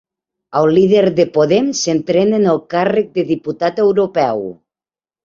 El líder de Podem s'estrena en el càrrec de diputat europeu